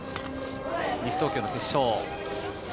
西東京決勝。